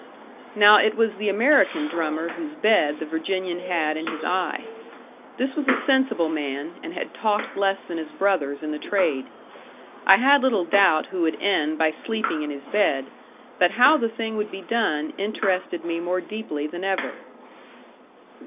Now it was the American drummer whose bed the Virginian had in his eye. This was a sensible man, and had talked less than his brothers in the trade. I had little doubt who would end by sleeping in his bed; but how the thing would be done interested me more deeply than ever.